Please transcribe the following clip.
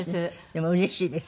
でもうれしいです。